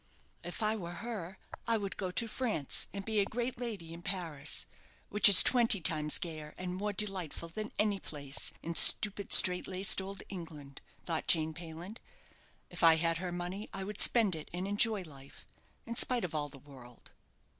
"If I were her, I would go to France, and be a great lady in Paris which is twenty times gayer and more delightful than any place in stupid, straight laced old England," thought Jane Payland. "If I had her money, I would spend it, and enjoy life, in spite of all the world."